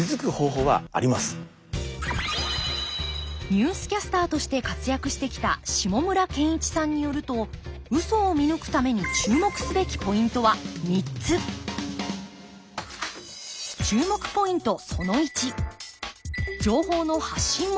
ニュースキャスターとして活躍してきた下村健一さんによるとウソを見抜くために注目すべきポイントは３つ注目ポイント